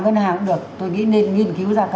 ngân hàng cũng được tôi nghĩ nên nghiên cứu ra cả